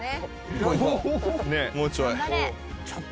もうちょい。